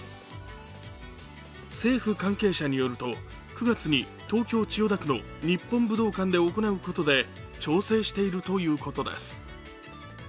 政府関係者によると、９月に東京・千代田区の日本武道館で行うことで調整しているということです。